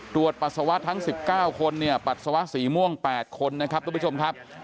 ตรวจปัสสาวะทั้ง๑๙คนปัสสาวะสีม่วง๘คนนะครับ